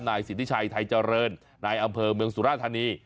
นายสิทธิชัยไทยเจริญนายอำเภอเมืองสุราธานี